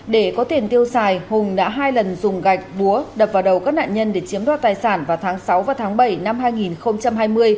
để có tiền tiêu xài hùng đã hai lần dùng gạch búa đập vào đầu các nạn nhân để chiếm đoạt tài sản vào tháng sáu và tháng bảy năm hai nghìn hai mươi